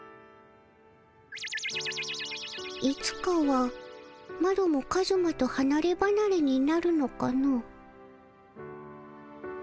いつかはマロもカズマとはなればなれになるのかの。